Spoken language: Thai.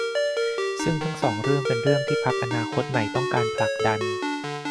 ซึ่งทั้งสองเรื่องเป็นเรื่องที่พรรคอนาคตใหม่ต้องการผลักดัน